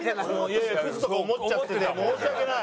いやいやクズとか思っちゃって申し訳ない。